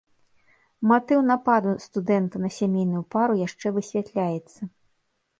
Матыў нападу студэнта на сямейную пару яшчэ высвятляецца.